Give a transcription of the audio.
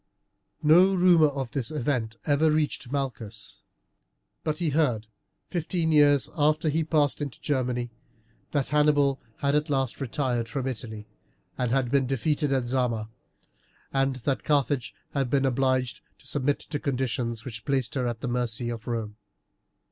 No rumour of this event ever reached Malchus, but he heard, fifteen years after he had passed into Germany, that Hannibal had at last retired from Italy, and had been defeated at Zama, and that Carthage had been obliged to submit to conditions which placed her at the mercy of Rome.